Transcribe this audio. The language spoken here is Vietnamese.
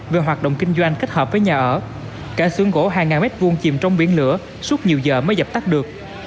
về hoạt động kinh doanh kết hợp với nhà ở cả sướng gỗ hai m hai chìm trong biển lửa suốt nhiều giờ mới dập tắt được